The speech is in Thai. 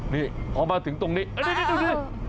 นี่พอมาถึงตรงนี้นี่ดู